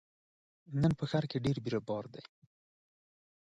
نن په ښار کې ګڼه ګوڼه ډېره ده.